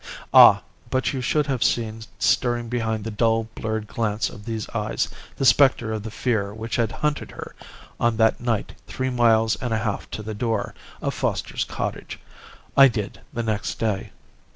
Ah! but you should have seen stirring behind the dull, blurred glance of these eyes the spectre of the fear which had hunted her on that night three miles and a half to the door of Foster's cottage! I did the next day.